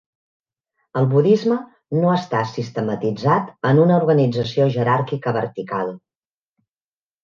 El budisme no està sistematitzat en una organització jeràrquica vertical.